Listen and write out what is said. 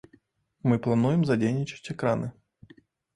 Мы плануем задзейнічаць экраны.